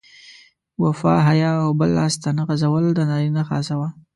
وفا، حیا او بل ته لاس نه غځول د نارینه خاصه وه.